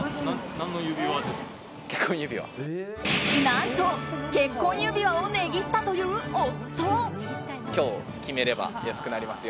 何と、結婚指輪を値切ったという夫。